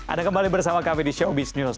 anda kembali bersama kami di showbiz news